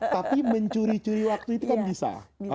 tapi mencuri curi waktu itu kan bisa